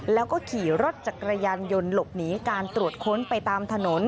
แล้วก็ขี่รถจักรยานยนต์หลบหนีการตรวจค้นไปตามถนน